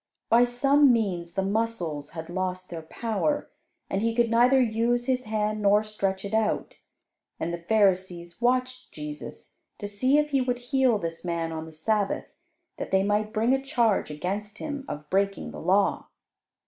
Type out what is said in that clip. By some means the muscles had lost their power, and he could neither use his hand nor stretch it out. And the Pharisees watched Jesus, to see if He would heal this man on the Sabbath, that they might bring a charge against Him of breaking the law.